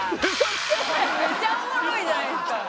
めっちゃおもろいじゃないですか。